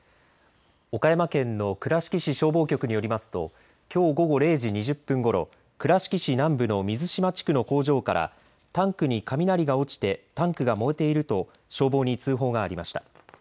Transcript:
岡山県の倉敷市消防局によりますときょう午後０時２０分ごろ倉敷市南部の水島地区の工場からタンクに雷が落ちてタンクが燃えていると消防に通報がありました。